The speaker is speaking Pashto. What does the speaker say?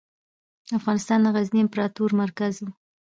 افغانستان د غزني امپراتورۍ مرکز و.